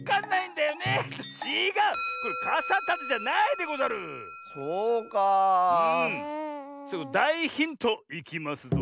だいヒントいきますぞ。